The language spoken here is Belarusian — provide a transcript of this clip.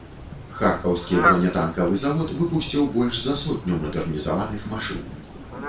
Харкаўскі бронетанкавы завод выпусціў больш за сотню мадэрнізаваных машын.